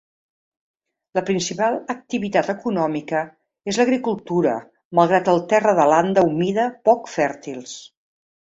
La principal activitat econòmica és l'agricultura malgrat el terra de landa humida poc fèrtils.